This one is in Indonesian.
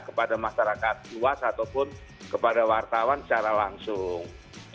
kepada masyarakat luas ataupun kepada wartawan secara langsung